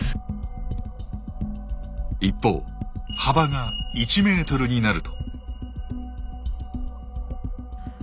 一方幅が１ｍになると。